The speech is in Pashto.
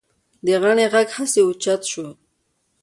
د غنړې غږ هسې اوچت شو.